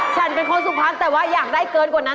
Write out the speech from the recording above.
ฉันเป็นคนสุพรรณแต่ว่าอยากได้เกินกว่านั้น